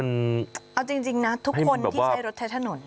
เอาจริงนะทุกคนที่ใช้รถใช้ถนน